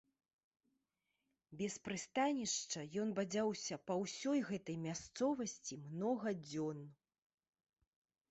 Без прыстанішча ён бадзяўся па ўсёй гэтай мясцовасці многа дзён.